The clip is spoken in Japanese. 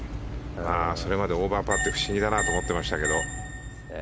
それまでオーバーパーで不思議だなと思いましたけど。